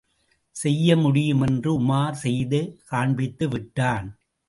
செய்யமுடியும் என்று உமார் செய்து காண்பித்துவிட்டான்.